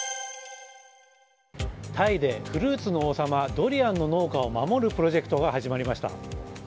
タイでフルーツの王様ドリアンの農家を守るプロジェクトが始まりました。